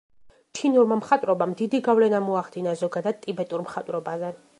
ჩინურმა მხატვრობამ დიდი გავლენა მოახდინა ზოგადად ტიბეტურ მხატვრობაზე.